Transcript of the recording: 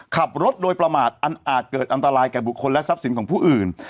ขับรถโดยประมาทอันอาจเกิดอันตรายแก่บุคคลและทรัพย์สินของผู้อื่น